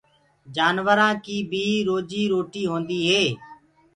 جآنورآنٚ ڪيٚ بيٚ روجيٚ روٽيٚ هونديٚ هي